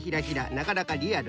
なかなかリアル。